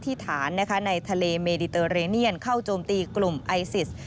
ที่ฐานในทะเลเมดิเตอร์เรเนียนเข้าโจมตีกลุ่มไอซิส